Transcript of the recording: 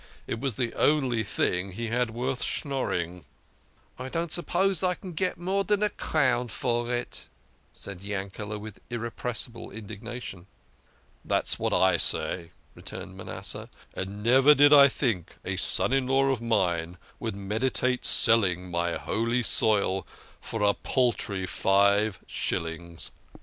It was the only thing he had worth schnorring." " I don't suppose I shall get more dan a crown for it," said Yankete, with irrepressible indignation. " That's what I say," returned Manasseh ;" and never did I think a son in law of mine would meditate selling my holy soil for a paltry five shillings